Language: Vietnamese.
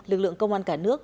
lực lượng công an cả nước